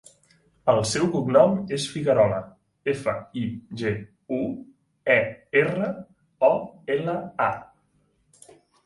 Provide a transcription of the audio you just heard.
El seu cognom és Figuerola: efa, i, ge, u, e, erra, o, ela, a.